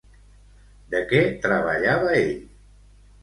De què treballava ell?